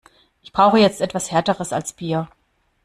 Ich brauche jetzt etwas härteres als Bier.